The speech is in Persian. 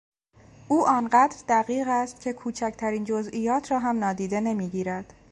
او آنقدر دقیق است که کوچکترین جزئیات را هم نادیده نمیگیرد.